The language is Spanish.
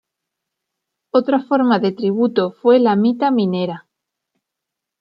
Otra forma de tributo fue la mita minera.